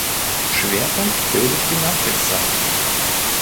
Schwerpunkt bildet die Nachkriegszeit.